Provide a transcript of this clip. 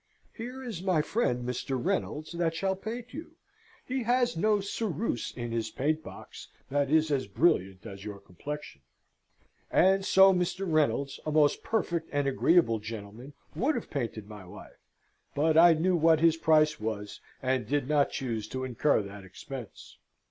Here is my friend Mr. Reynolds that shall paint you: he has no ceruse in his paint box that is as brilliant as your complexion." And so Mr. Reynolds, a most perfect and agreeable gentleman, would have painted my wife; but I knew what his price was, and did not choose to incur that expense.